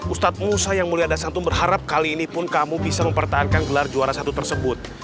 ustadz musa yang mulia dan santun berharap kali ini pun kamu bisa mempertahankan gelar juara satu tersebut